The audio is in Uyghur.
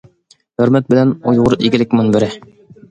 ھۆرمەت بىلەن : ئۇيغۇر ئىگىلىك مۇنبىرى!